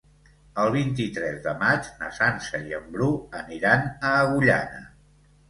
El vint-i-tres de maig na Sança i en Bru aniran a Agullana.